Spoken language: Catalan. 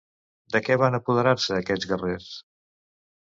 De què van apoderar-se aquests guerrers?